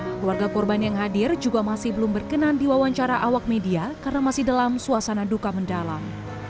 keluarga korban yang hadir juga masih belum berkenan di wawancara awak media karena masih dalam suasana duka mendalam